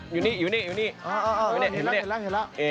อยู่นี่อ่าอ่าเห็นมั้ยเนี่ย